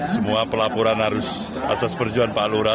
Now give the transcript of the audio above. semua pelapuran harus atas perjalanan pak lurah